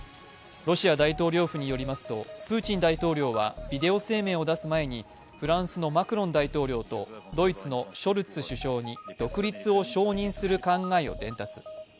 ロシア大統領府によりますとプーチン大統領はビデオ声明を出す前に、フランスのマクロン大統領とドイツのショルツ首相に独立を承認する考えを伝達。